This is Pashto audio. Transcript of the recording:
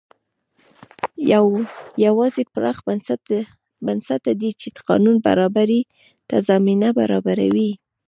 یوازې پراخ بنسټه دي چې قانون برابرۍ ته زمینه برابروي.